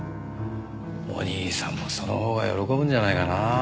お義兄さんもそのほうが喜ぶんじゃないかなあ。